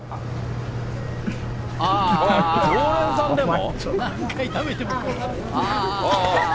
常連さんでも？